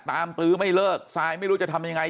ตื้อไม่เลิกซายไม่รู้จะทำยังไง